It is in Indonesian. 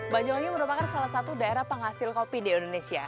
banyuwangi merupakan salah satu daerah penghasil kopi di indonesia